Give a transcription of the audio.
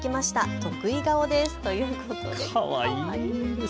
得意顔ですということです。